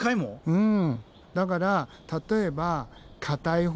うん。